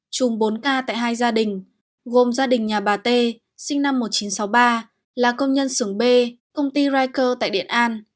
chùm bốn k tại hai gia đình gồm gia đình nhà bà t sinh năm một nghìn chín trăm sáu mươi ba là công nhân xưởng b công ty rycer tại điện an